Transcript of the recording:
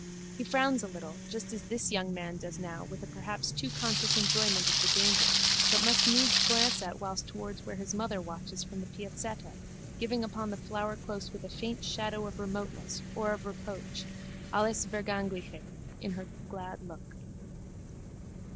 He frowns a little just as this young man does now with a perhaps too conscious enjoyment of the danger but must needs glance at whiles towards where his mother watches from the piazzetta giving upon the flowerclose with a faint shadow of remoteness or of reproach (alles Vergängliche) in her glad look.